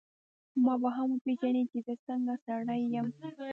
ما به هم وپېژنې چي زه څنګه سړی یم.